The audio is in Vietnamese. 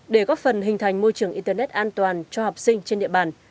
để góp phần hình thành môi trường internet an toàn cho học sinh trên địa bàn